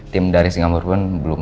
tim dari singapura pun belum